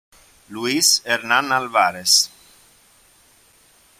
Luis Hernán Álvarez